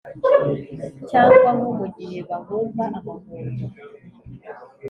cyangwa nko mu gihe bahumba amahundo,